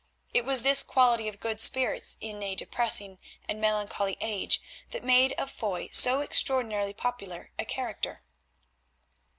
It was this quality of good spirits in a depressing and melancholy age that made of Foy so extraordinarily popular a character.